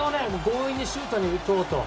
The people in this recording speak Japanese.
強引にシュートに行こうと。